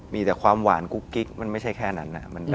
มีแต่ความหวานกุ๊กกิ๊กมันไม่ใช่แค่นั้น